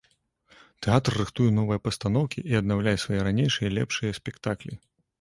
Тэатр рыхтуе новыя пастаноўкі і аднаўляе свае ранейшыя лепшыя спектаклі.